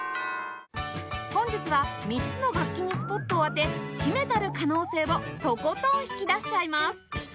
本日は３つの楽器にスポットを当て秘めたる可能性をとことん引き出しちゃいます